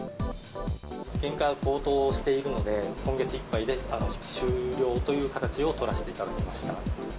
原価高騰しているので、今月いっぱいで終了という形を取らせていただきました。